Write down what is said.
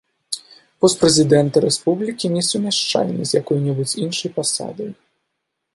Пост прэзідэнта рэспублікі несумяшчальны з якой-небудзь іншай пасадай.